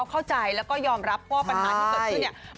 เข้าใจก็ยอมรับว่าปัญหาที่เกิดขึ้น